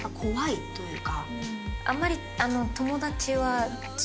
あんまり。